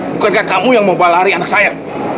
bukankah kamu yang mau balari anak saya